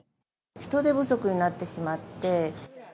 人手不足になってしまって。